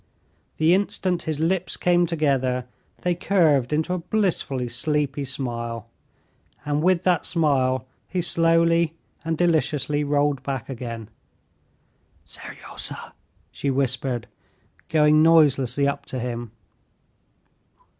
The instant his lips came together they curved into a blissfully sleepy smile, and with that smile he slowly and deliciously rolled back again. "Seryozha!" she whispered, going noiselessly up to him.